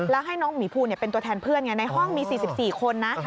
แล้วให้น้องหมีภูเป็นตัวแทนเพื่อนไงในห้องมี๔๔คนนะ